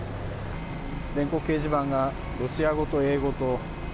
電光掲示板がロシア語と英語と。